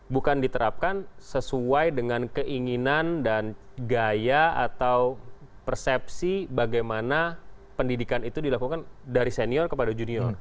bukan diterapkan sesuai dengan keinginan dan gaya atau persepsi bagaimana pendidikan itu dilakukan dari senior kepada junior